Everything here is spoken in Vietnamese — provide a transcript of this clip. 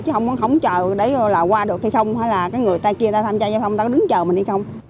chứ không chờ đấy là qua được hay không hay là người ta kia ta tham gia giao thông ta có đứng chờ mình hay không